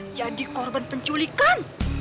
jadi korban penculikan